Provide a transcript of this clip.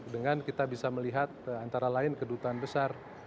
dengan kita bisa melihat antara lain kedutaan besar